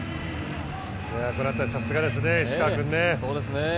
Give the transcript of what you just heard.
この辺りはさすがですね石川君。